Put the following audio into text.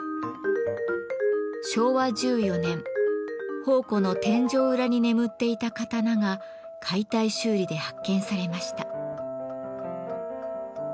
昭和１４年宝庫の天井裏に眠っていた刀が解体修理で発見されました。